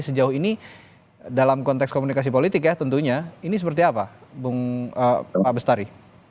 sejauh ini dalam konteks komunikasi politik ya tentunya ini seperti apa pak bestari